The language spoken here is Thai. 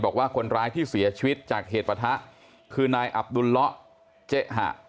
บอกว่าคนร้ายที่เสียชีวิตจากเหตุประทะคือนายอับดุลละเจ๊หะ